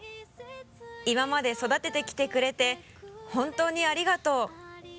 「今まで育ててきてくれて本当にありがとう」